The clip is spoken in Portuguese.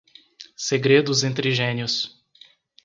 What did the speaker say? Segredos entre gênios